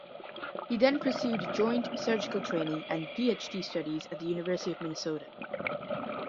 He then pursued joint surgical training and Ph.D. studies at the University of Minnesota.